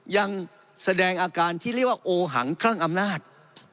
ยังแสดงอาการที่เรียกว่าโอหังคลั่งอำนาจ